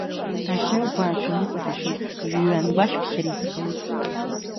Ахьы лбаашәаны икәа иҭашәеит, жәҩангәашәԥхьара изыҟалеит.